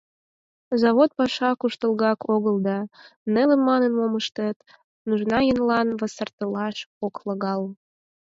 Завод паша куштылгак огыл да, неле манын мом ыштет, нужна еҥлан васартылаш ок логал.